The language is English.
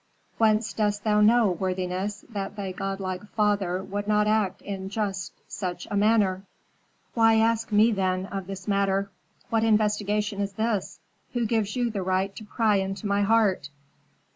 "Whence dost thou know, worthiness, that thy godlike father would not act in just such a manner?" "Why ask me, then, of this matter? What investigation is this? Who gives you the right to pry into my heart?"